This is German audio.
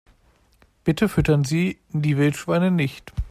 Bitte füttern Sie die Wildschweine nicht!